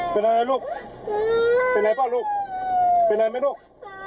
เป็นอะไรนะลูกเป็นไงบ้างลูกเป็นไงไหมลูก